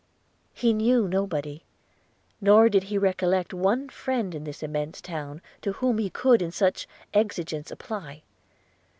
He knew nobody: nor did he recollect one friend in this immense town, to whom he could in such exigence apply.